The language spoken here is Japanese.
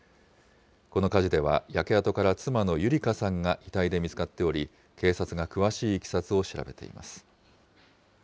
この火事では焼け跡から妻の優理香さんが遺体で見つかっており、警察が詳しいいきさつを調べています。